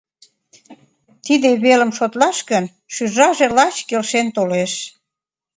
Тиде велым шотлаш гын, шӱжарже лач келшен толеш.